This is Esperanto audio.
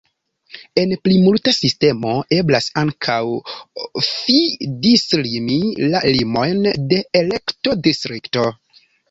En plimulta sistemo eblas ankaŭ fi-dislimi la limojn de elektodistrikto.